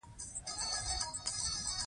پوخ پل ماته ملا پروت و.